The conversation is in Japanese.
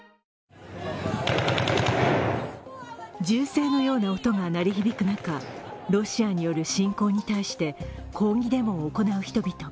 銃声のような音が鳴り響く中ロシアによる侵攻に対して抗議デモを行う人々。